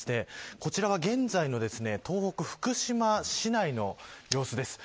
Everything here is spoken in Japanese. こちらは現在の東北福島市内の様子です。